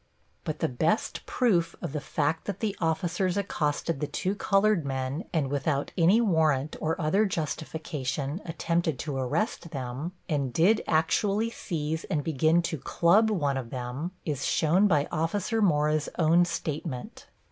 But the best proof of the fact that the officers accosted the two colored men and without any warrant or other justification attempted to arrest them, and did actually seize and begin to club one of them, is shown by Officer Mora's own statement.